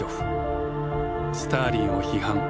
スターリンを批判